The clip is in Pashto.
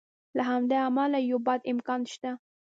له همدې امله یو بد امکان شته.